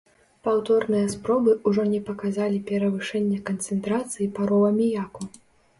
Паўторныя спробы ўжо не паказалі перавышэння канцэнтрацыі пароў аміяку.